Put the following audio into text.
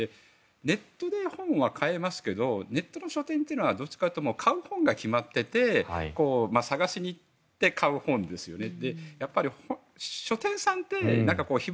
ネットで本は買えますがネットの書店というのはどっちかというと買う本が決まっていて探しに行って買う本ですよね。